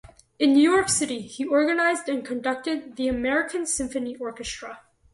In New York City, he organized and conducted the American Symphony Orchestra.